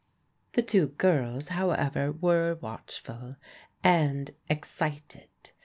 The two girls, however, were watchful, and ex cited.